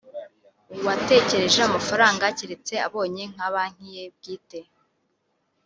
uwatekereje amafaranga keretse abonye nka Banki ye bwite